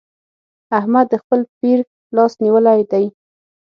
احمد د خپل پير لاس نيولی دی.